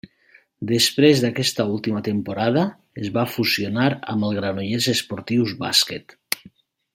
Després d'aquesta última temporada, es va fusionar amb el Granollers Esportiu Bàsquet.